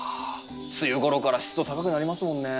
梅雨ごろから湿度高くなりますもんね。